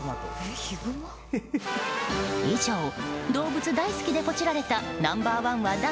以上、動物大好きでポチられたナンバー１は誰？